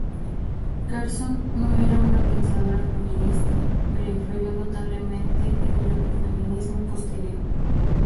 Carson no era una pensadora feminista pero influyó notablemente en el ecofeminismo posterior.